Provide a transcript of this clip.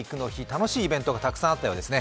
楽しいイベントがたくさんあったようですね。